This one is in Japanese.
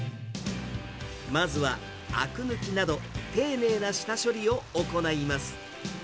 まずはあく抜きなど、丁寧な下処理を行います。